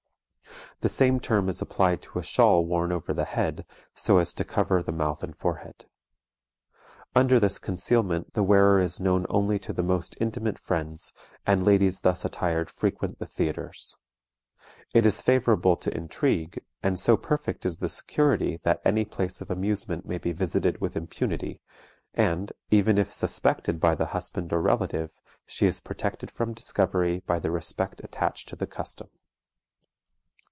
The same term is applied to a shawl worn over the head, so as to cover the mouth and forehead. Under this concealment the wearer is known only to the most intimate friends, and ladies thus attired frequent the theatres. It is favorable to intrigue, and so perfect is the security that any place of amusement may be visited with impunity, and, even if suspected by the husband or relative, she is protected from discovery by the respect attached to the custom.